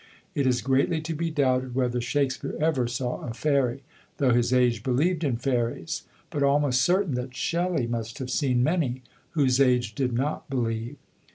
It is greatly to be doubted whether Shakespeare ever saw a fairy, though his age believed in fairies, but almost certain that Shelley must have seen many, whose age did not believe.